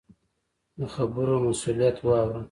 د خبرو مسؤلیت واوره.